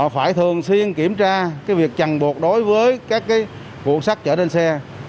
phải thường xuyên kiểm tra cái việc chẳng buộc đối với các cái cuộn sắt chở lên xe